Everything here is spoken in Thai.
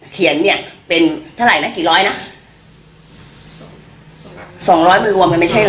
เขียนเนี่ยเป็นเท่าไหร่นะกี่ร้อยนะสองร้อยมันรวมกันไม่ใช่เหรอ